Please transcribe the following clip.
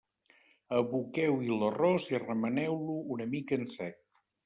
Aboqueu-hi l'arròs i remeneu-lo una mica en sec.